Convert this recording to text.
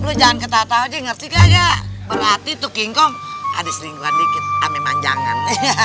lu jangan ketawa tawa aja ngerti kagak berarti tuh kingkong ada seringkuhan dikit ame manjangan